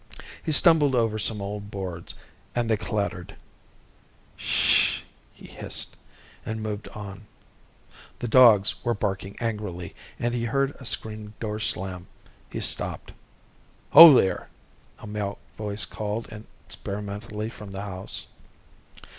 He stumbled over some old boards, and they clattered. "Shhh!" he hissed, and moved on. The dogs were barking angrily, and he heard a screen door slam. He stopped. "Ho there!" a male voice called experimentally from the house.